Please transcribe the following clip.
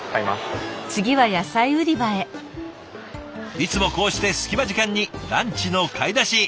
いつもこうして隙間時間にランチの買い出し。